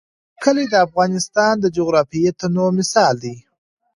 کلي د افغانستان د جغرافیوي تنوع مثال دی.